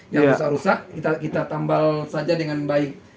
yang rusak rusak kita tambal saja dengan baik